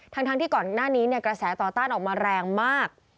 ทั้งที่ก่อนหน้านี้กระแสต่อต้านออกมาแรงมาก